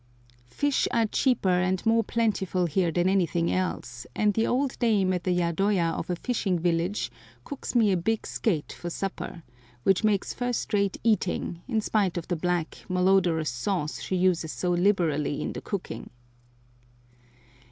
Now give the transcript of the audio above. Fish are cheaper and more plentiful here than anything else, and the old dame at the yadoya of a fishing village cooks me a big skate for supper, which makes first rate eating, in spite of the black, malodorous sauce she uses so liberally in the cooking.